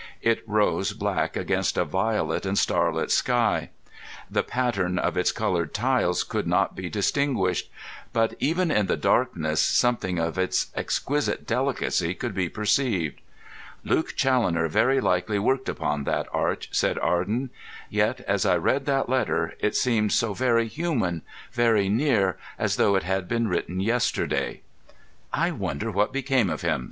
It rose black against a violet and starlit sky. The pattern of its coloured tiles could not be distinguished; but even in the darkness something of its exquisite delicacy could be perceived. "Luke Challoner very likely worked upon that arch," said Arden. "Yet, as I read that letter, it seemed so very human, very near, as though it had been written yesterday." "I wonder what became of him?"